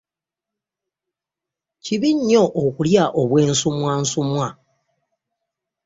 Kibi nnyo okulya obw’ensumwansumwa.